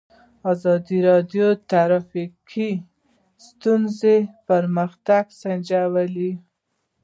ازادي راډیو د ټرافیکي ستونزې پرمختګ سنجولی.